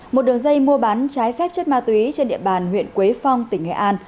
một đường dây mua bán trái phép chất ma túy trên địa bàn huyện quế phong tỉnh nghệ an